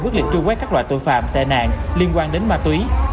quyết liệt truy quét các loại tội phạm tệ nạn liên quan đến ma túy